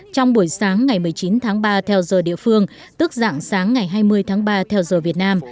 trong buổi sáng ngày một mươi chín tháng ba theo giờ địa phương tức dạng sáng ngày hai mươi tháng ba theo giờ việt nam